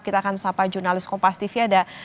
kita akan sapa jurnalis kompas tv ada